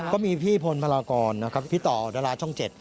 ก็มีพี่พลพลากรพี่ต่อดรช่อง๗